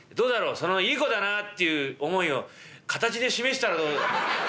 そのいい子だなっていう思いを形で示したらどう？」。